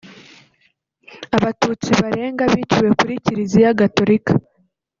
Abatutsi barenga biciwe kuri Kiliziya Gatorika